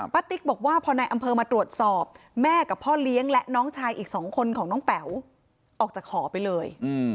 ติ๊กบอกว่าพอในอำเภอมาตรวจสอบแม่กับพ่อเลี้ยงและน้องชายอีก๒คนของน้องแป๋วออกจากหอไปเลย